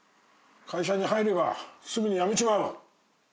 会社に入ればすぐに辞めちまう。